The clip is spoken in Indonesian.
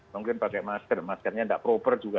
mungkin pakai masker maskernya tidak proper juga